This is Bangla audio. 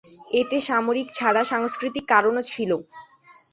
এতে সামরিক ছাড়া সাংস্কৃতিক কারণও ছিল।